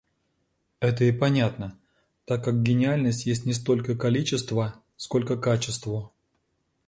Это и понятно, так как гениальность есть не столько количества, сколько КАЧЕСТВО.